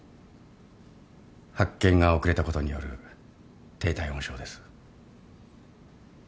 発見が遅れたことによる低体温症です。